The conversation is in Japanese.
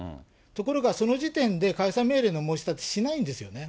ところが、その時点で解散命令の申し立てをしないんですよね。